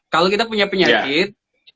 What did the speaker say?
kalau kita punya penyakit